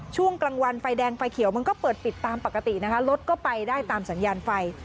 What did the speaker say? ช่วงกลางวันไฟแดงไฟเขียวมันก็เปิดปิดตามปกตินะคะรถก็ไปได้ตามสัญญาณไฟ